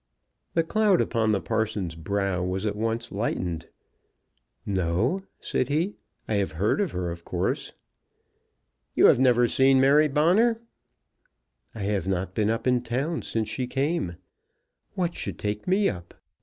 The cloud upon the parson's brow was at once lightened. "No," said he. "I have heard of her, of course." "You have never seen Mary Bonner?" "I have not been up in town since she came. What should take me up?